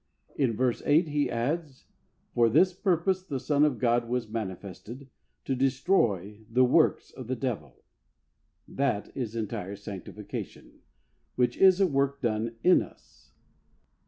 In verse eight he adds, "For this purpose the Son of God was manifested to destroy the works of the devil/^ That is entire sanctification, which is a work done in us.